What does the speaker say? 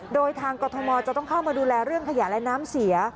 โดยทางกรทมจะต้องเข้ามาดูแลเรื่องขยะและน้ำเสีย